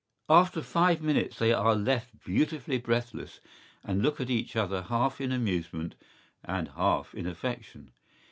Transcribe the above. ¬Ý After five minutes they are left beautifully breathless and look at each other half in amusement and half in affection.